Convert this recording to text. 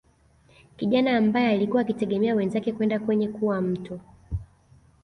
Kijana ambae alikuwa akitegemea wenzake kwenda kwenye kuwa mtu